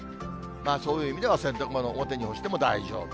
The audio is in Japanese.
そういう意味では洗濯物、表に干しても大丈夫。